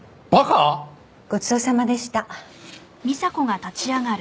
ごちそうさまでした。